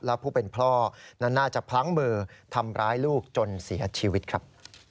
และผู้เป็นพ่อนั้นน่าจะพลั้งมือทำร้ายลูกจนเสียชีวิตครับ